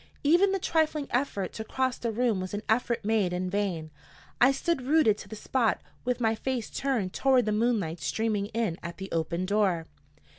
Even the trifling effort to cross the room was an effort made in vain. I stood rooted to the spot, with my face turned toward the moonlight streaming in at the open door.